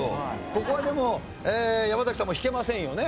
ここはでも山崎さんも引けませんよね？